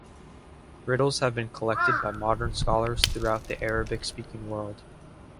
Riddles have been collected by modern scholars throughout the Arabic-speaking world.